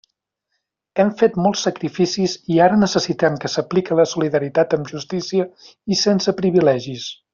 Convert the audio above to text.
Hem fet molts sacrificis i ara necessitem que s'aplique la solidaritat amb justícia i sense privilegis.